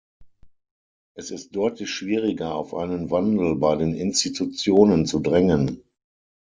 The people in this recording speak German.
Es ist deutlich schwieriger, auf einen Wandel bei den Institutionen zu drängen.